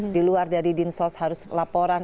di luar dari din sos harus laporan